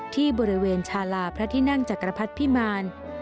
ที่บริเวณชาลาพระที่นั่งจักรพรรดิพิมาร